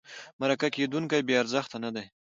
مرکه کېدونکی بې ارزښته نه دی.